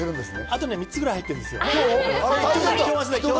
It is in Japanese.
あと３つぐらい入ってるんですよ。